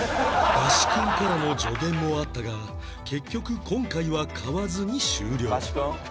バシ君からの助言もあったが結局今回は買わずに終了